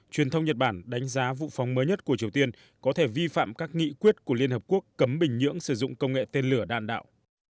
truyền thông nhật bản đánh giá vụ phóng mới nhất của triều tiên có thể vi phạm các nghị quyết của liên hợp quốc cấm bình nhưỡng sử dụng công nghệ tên lửa đạn đạo